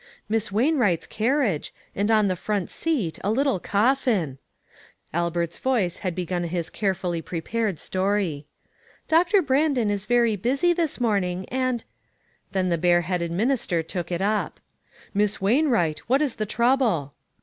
Miss Wainwright's car riage, and on the front sent, a little coffin ! Albert's voice had begun his carefully pre pared story : "Doctor Brandon is very busy this morn ing, and "— then the bareheaded minister took it up. " Miss Wainwright, what is the trouble